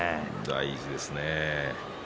大事ですね。